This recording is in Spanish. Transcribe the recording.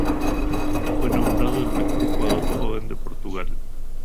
Fue nombrado el mejor jugador joven de Portugal.